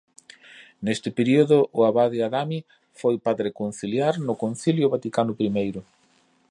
Neste período o abade Adami foi padre conciliar no Concilio Vaticano Primeiro.